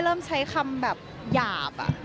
เริ่มใช้คำแบบหยาบ